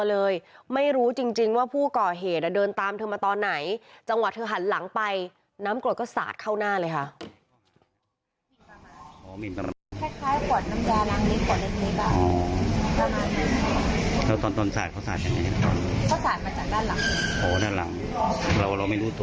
แล้วก็สาดเข้าหน้าเลยค่ะ